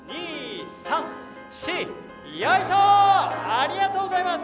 ありがとうございます！